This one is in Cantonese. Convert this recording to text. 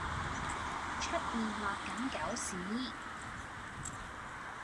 出面落緊狗屎